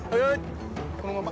このまま。